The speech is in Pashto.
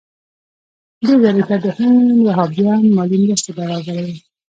دې ډلې ته د هند وهابیان مالي مرستې برابروي.